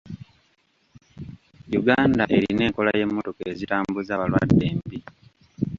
Uganda erina enkola y'emmotoka ezitambuza balwadde embi.